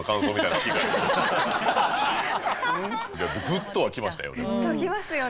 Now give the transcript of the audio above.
グッとはきましたよ。